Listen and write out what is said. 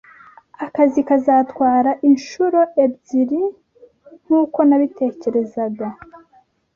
Aka kazi kazatwara inshuro ebyiri nkuko nabitekerezaga